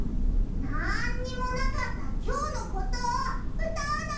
なんにもなかったきょうのことをうたうの！